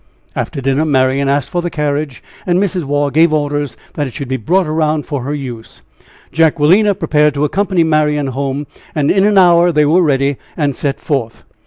After dinner Marian asked for the carriage, and Mrs. Waugh gave orders that it should be brought around for her use. Jacquelina prepared to accompany Marian home, and in an hour they were ready, and set forth.